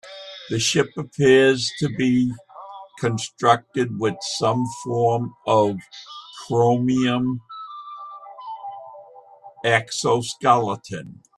The ship appeared to be constructed with some form of chromium exoskeleton.